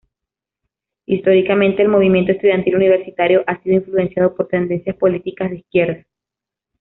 Históricamente el movimiento estudiantil universitario ha sido influenciado por tendencias políticas de izquierda.